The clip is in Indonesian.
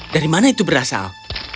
dari mana itu berasal